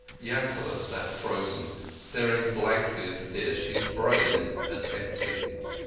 Yankel sat frozen, staring blankly at the dish, his brain as empty.